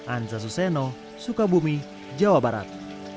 anza suseno sukabumi jawa barat